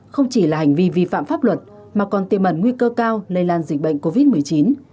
không chỉ là hành vi vi phạm pháp luật mà còn tiềm ẩn nguy cơ cao lây lan dịch bệnh covid một mươi chín